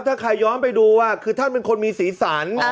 ถ้าใครย้อนไปดูคือท่านเป็นคนมีสีสัน